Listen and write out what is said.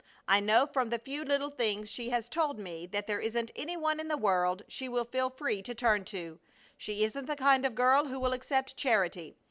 I know from the few little things she has told me that there isn't any one in the world she will feel free to turn to. She isn't the kind of girl who will accept charity.